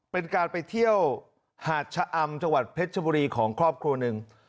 เป็นการไปเที่ยวหาดชะอำจังหวัดเพชรชบุรีของครอบครัวหนึ่ง